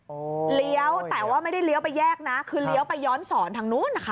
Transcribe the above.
โอ้โหเลี้ยวแต่ว่าไม่ได้เลี้ยวไปแยกนะคือเลี้ยวไปย้อนสอนทางนู้นนะคะ